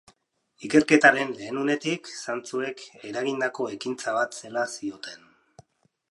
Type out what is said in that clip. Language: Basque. Ikerketaren lehen unetik, zantzuek eragindako ekintza bat zela zioten.